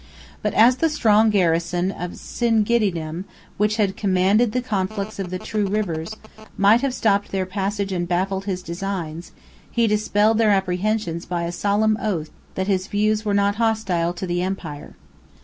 But as the strong garrison of Singidunum, which commanded the conflux of the two rivers, might have stopped their passage and baffled his designs, he dispelled their apprehensions by a solemn oath that his views were not hostile to the empire.